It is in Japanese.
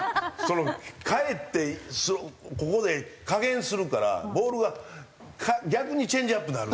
かえってここで加減するからボールが逆にチェンジアップなる。